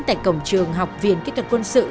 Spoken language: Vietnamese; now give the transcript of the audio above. tại cổng trường học viện kỹ thuật quân sự